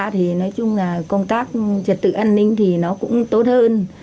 thì nói chung là công tác trật tự an ninh thì nó cũng tốt hơn